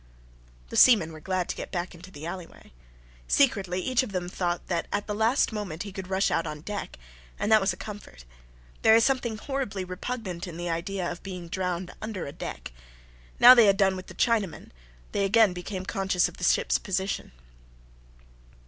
The seamen were glad to get back into the alleyway. Secretly each of them thought that at the last moment he could rush out on deck and that was a comfort. There is something horribly repugnant in the idea of being drowned under a deck. Now they had done with the Chinamen, they again became conscious of the ship's position.